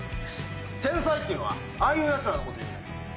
天才っていうのはああいうヤツらのこと言うねん。